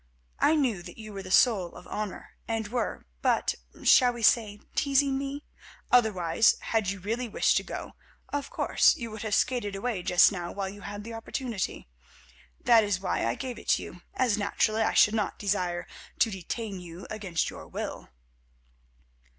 I knew that you were the soul of honour, and were but—shall we say teasing me? Otherwise, had you really wished to go, of course you would have skated away just now while you had the opportunity. That is why I gave it you, as naturally I should not desire to detain you against your will."